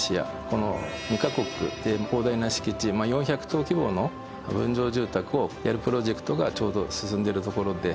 この２カ国で広大な敷地４００棟規模の分譲住宅をやるプロジェクトがちょうど進んでいるところで。